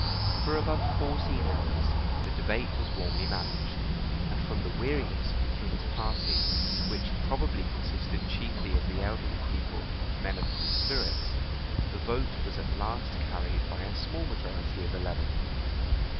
For above fourteen hours the debate was warmly managed; and from the weariness of the king's party, which probably consisted chiefly of the elderly people, and men of cool spirits, the vote was at last carried by a small majority of eleven.